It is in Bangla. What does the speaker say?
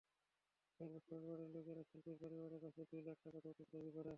এরপর শ্বশুরবাড়ির লোকেরা শিল্পীর পরিবারের কাছে দুই লাখ টাকা যৌতুক দাবি করে।